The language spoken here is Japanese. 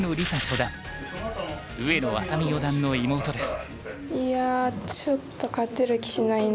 上野愛咲美四段の妹です。